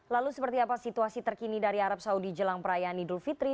lalu seperti apa situasi terkini dari arab saudi jelang perayaan idul fitri